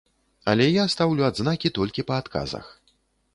Але я стаўлю адзнакі толькі па адказах.